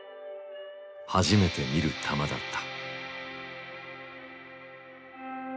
初めて見る球だった。